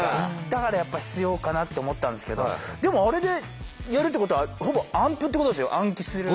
だからやっぱ必要かなと思ったんですけどでもあれでやるってことはほぼ暗譜ってことですよ暗記する。